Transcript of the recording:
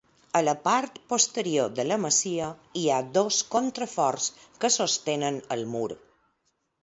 A la part posterior de la masia hi ha dos contraforts que sostenen el mur.